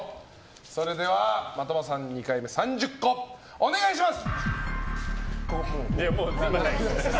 それでは的場さん、２回目３０個お願いします。